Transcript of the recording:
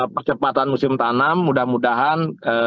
percepatan musim tanam mudah mudahan